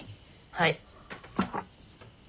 はい。